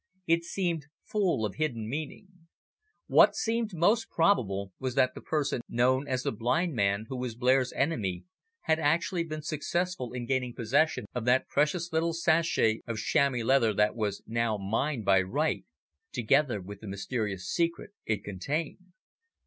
It seemed full of hidden meaning. What seemed most probable was that the person known as the "blind man," who was Blair's enemy, had actually been successful in gaining possession of that precious little sachet of chamois leather that was now mine by right, together with the mysterious secret it contained.